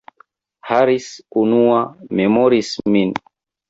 Harris, unua, memoris min.